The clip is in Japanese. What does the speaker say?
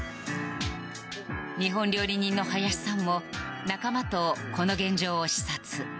日本料理人の林さんも仲間とこの現状を視察。